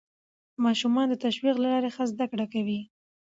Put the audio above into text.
ماشومان د تشویق له لارې ښه زده کړه کوي